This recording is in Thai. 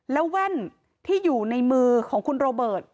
แล้วแว่นที่อยู่ในมือของคุณโรเบิร์ต